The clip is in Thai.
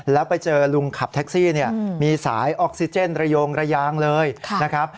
แล้วไปเจอลุงขับแท็กซี่เนี่ยมีสายออกซิเจนระโยงระยางเลยนะครับ